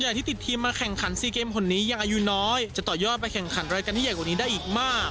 ยังอายุน้อยจะต่อยอดไปแข่งขันวันอัญ่ใหญ่กว่านี้ได้อีกมาก